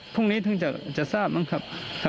พรุ่งนี้ถึงจะทราบมั้งครับ